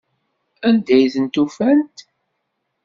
Anda i tent-ufant?